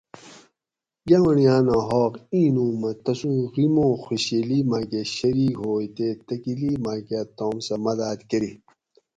گاونڑیاناں حاق اینوں مہ تسوں غیمو خوشیلی ماۤکہ شریک ہوئے تے تکلیف ماۤکہ تام سہ مداۤد کۤری